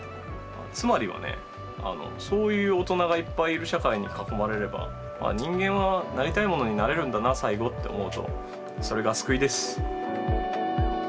つまりはねそういう大人がいっぱいいる社会に囲まれれば「人間はなりたいものになれるんだな最後」って思うとそれが救いです。